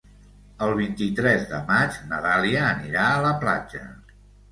El vint-i-tres de maig na Dàlia anirà a la platja.